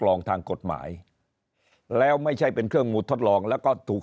รองทางกฎหมายแล้วไม่ใช่เป็นเครื่องมือทดลองแล้วก็ถูก